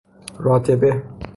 راتبه